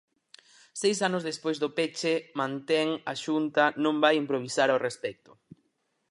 Seis anos despois do peche, mantén, a Xunta non vai "improvisar" ao respecto.